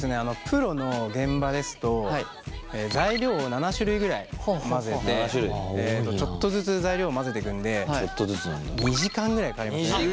プロの現場ですと材料を７種類ぐらい混ぜてちょっとずつ材料を混ぜてくんで２時間ぐらいかかりますね